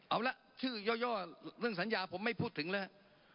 เอาละชื่อย่อเรื่องสัญญาผมไม่พูดถึงแล้วฮะ